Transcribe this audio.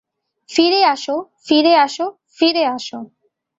ফিরে আসো, ফিরে আসো, ফিরে আসো।